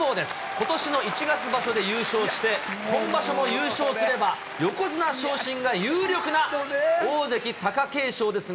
ことしの１月場所で優勝して、今場所も優勝すれば、横綱昇進が有力な大関・貴景勝ですが、